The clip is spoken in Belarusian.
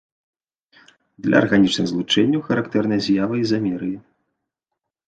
Для арганічных злучэнняў характэрная з'ява ізамерыі.